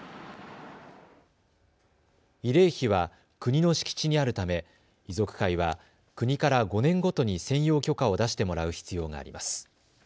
慰霊碑は国の敷地にあるため遺族会は国から５年ごとに占用許可を出してもらう必要があります。